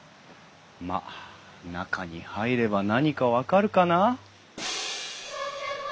まあ中に入れば何か分かるかな。